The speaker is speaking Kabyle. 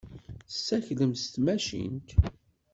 Tessaklem s tmacint.